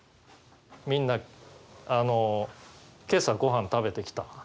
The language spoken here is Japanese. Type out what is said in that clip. みんな今朝ごはん食べてきた？